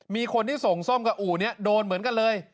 มีคนที่ส่งส้มกับอู่นี้โดนเหมือนกันเลย